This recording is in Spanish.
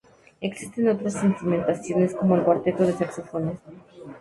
Existen otras instrumentaciones como el cuarteto de saxofones.